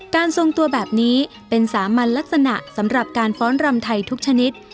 ทรงตัวแบบนี้เป็นสามัญลักษณะสำหรับการฟ้อนรำไทยทุกชนิด